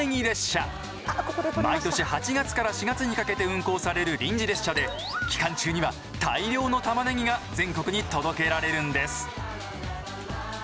毎年８月から４月にかけて運行される臨時列車で期間中には大量のたまねぎが全国に届けられるんです。